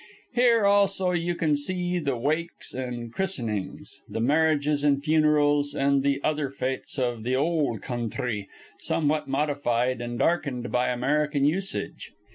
Here also you can see the wakes and christenings, the marriages and funerals, and the other fêtes of the ol' counthry somewhat modified and darkened by American usage.